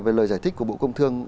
về lời giải thích của bộ công thương